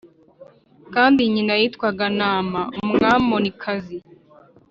kandi nyina yitwaga Nāma Umwamonikazi